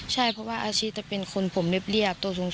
ใช่เพราะว่าอาชีพจะเป็นคนผมเรียบตัวสูง